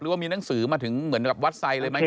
หรือว่ามีหนังสือมาถึงเหมือนกับวัดไทยเลยไหมครับ